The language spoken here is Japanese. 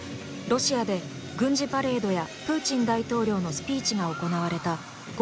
ロシアで軍事パレードやプーチン大統領のスピーチが行われた５月９日。